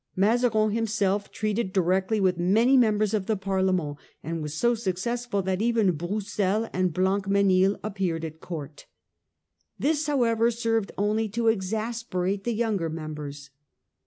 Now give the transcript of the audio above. Mazarin himself treated directly with many members of the Parlement \ and was so successful that even Broussel and Blancmdsnil appeared at court. This however served only to exasperate the younger members.